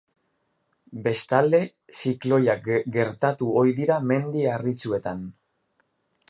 Bestalde, zikloiak gertatu ohi dira Mendi Harritsuetan.